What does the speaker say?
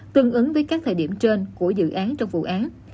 tương ứng với các thời điểm trên của dự án trong vụ án